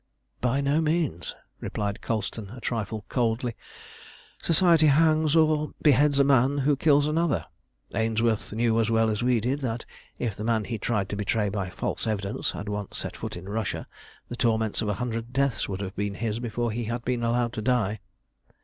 "By no means," replied Colston, a trifle coldly. "Society hangs or beheads a man who kills another. Ainsworth knew as well as we did that if the man he tried to betray by false evidence had once set foot in Russia, the torments of a hundred deaths would have been his before he had been allowed to die.